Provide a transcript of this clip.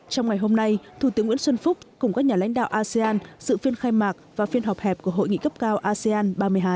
trong ngày hôm nay thủ tướng nguyễn xuân phúc cùng các nhà lãnh đạo asean dự phiên khai mạc và phiên họp hẹp của hội nghị cấp cao asean ba mươi hai